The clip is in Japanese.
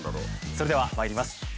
それではまいります。